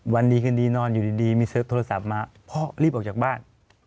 วันดีคืนดีนอนอยู่ดีมีเสิร์ฟโทรศัพท์มาพ่อรีบออกจากบ้าน